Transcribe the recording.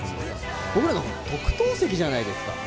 僕なんか特等席じゃないですか。